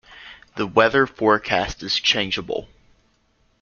The weather forecast is changeable.